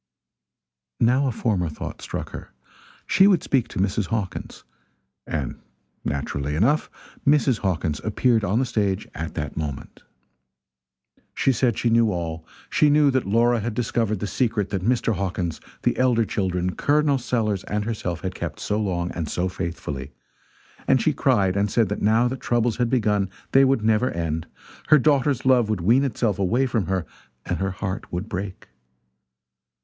Now a former thought struck her she would speak to Mrs. Hawkins. And naturally enough Mrs. Hawkins appeared on the stage at that moment. She said she knew all she knew that Laura had discovered the secret that Mr. Hawkins, the elder children, Col. Sellers and herself had kept so long and so faithfully; and she cried and said that now that troubles had begun they would never end; her daughter's love would wean itself away from her and her heart would break.